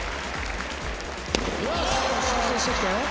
修正してきたよ。